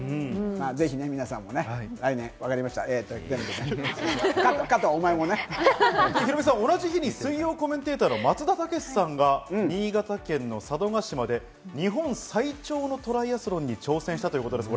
ぜひ皆さんも来年、わかりまヒロミさん、同じ日に水曜コメンテーターの松田丈志さんが新潟県の佐渡島で日本最長のトライアスロンに挑戦したということです。